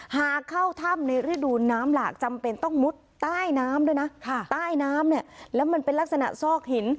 หากเข้าถ้ำในฤดูน้ำหลากจำเป็นต้องมุดใต้น้ำด้วยนะใต้น้ำเนี่ยแล้วมันเป็นลักษณะซอกหิน